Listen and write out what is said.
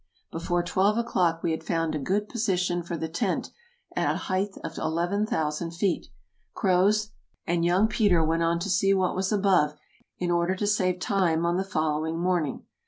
Before twelve o'clock we had found a good position for the tent, at a height of 1 1 ,000 feet. Croz and young 210 EUROPE 211 Peter went on to see what was above, in order to save time on the following morning.